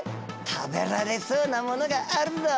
食べられそうなものがあるぞ！